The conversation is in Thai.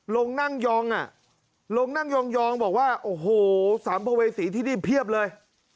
ลงนั่งยองอ่ะลงนั่งยองบอกว่าโอ้โหสัมภเวษีที่นี่เพียบเลย